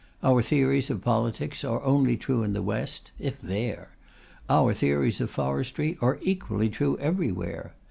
Our theories of politics are only true in the West (if there); our theories of forestry are equally true everywhere.